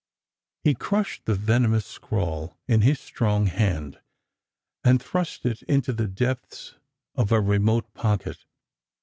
He crushed the venomous scrawl in his strong hand, and thrust it into the depths of a remote pocket.